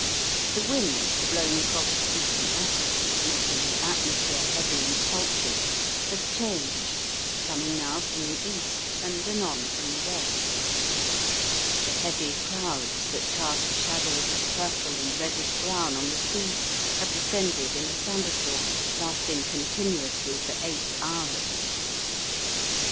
The wind, blowing across the sea from Africa, making the atmosphere heavy and sultry, has changed, coming now from the east and anon from the west. The heavy clouds that cast shadows of purple and reddish brown on the sea have descended in a thunderstorm, lasting continuously for eight hours.